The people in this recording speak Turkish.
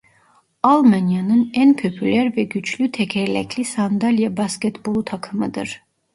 Almanya'nın en popüler ve güçlü tekerlekli sandalye basketbolu takımıdır.